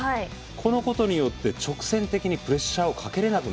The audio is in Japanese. このことによって直線的にプレッシャーをかけれなくなる。